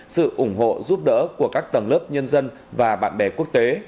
sự ủng hộ giúp đỡ của các tầng lớp nhân dân và bạn bè quốc tế